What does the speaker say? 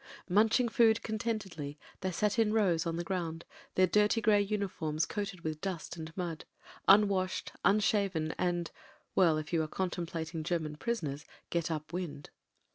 Munching food contentedly, they sat in rows on the ground ; their dirty grey uniforms coated with dust and mud — ^unwashed, unshaven, and — well, if you are con templating German prisoners, get "up wind."